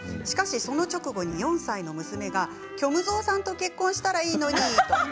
しかし、その直後、４歳の娘が虚無蔵さんと結婚したらいいのにと。